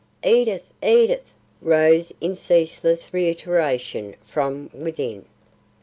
"Edith! Edith!" rose in ceaseless reiteration from within.